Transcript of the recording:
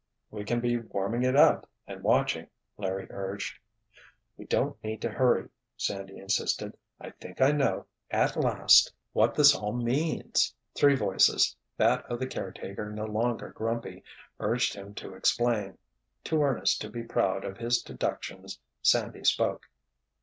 "We can be warming it up and watching!" Larry urged. "We don't need to hurry," Sandy insisted. "I think I know—at last!—what this all means." Three voices, that of the caretaker no longer grumpy, urged him to explain. Too earnest to be proud of his deductions, Sandy spoke.